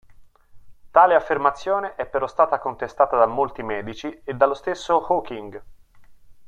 Tale affermazione è però stata contestata da molti medici e dallo stesso Hawking.